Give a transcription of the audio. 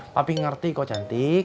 papi ngerti kok cantik